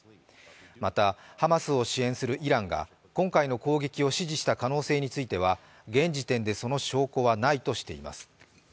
また、ハマスを支援するイランが今回の攻撃を指示した可能性については、現時点でその証拠はないとしています。